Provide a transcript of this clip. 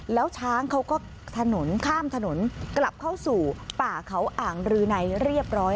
แล้วช้างเขาก็ถนนข้ามถนนกลับเข้าสู่ป่าเขาอ่างรือในเรียบร้อย